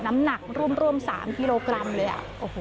น้ำหนักร่วม๓กิโลกรัมเลย